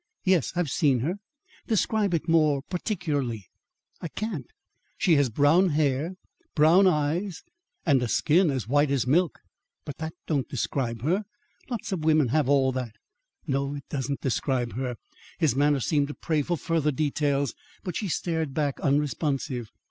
"Yes, I've seen her." "Describe it more particularly." "I can't. She has brown hair, brown eyes and a skin as white as milk; but that don't describe her. Lots of women have all that." "No, it doesn't describe her." His manner seemed to pray for further details, but she stared back, unresponsive.